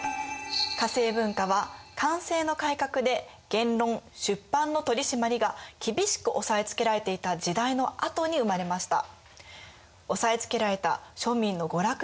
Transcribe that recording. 化政文化は寛政の改革で言論・出版の取り締まりがきびしく押さえつけられていた時代のあとに生まれました。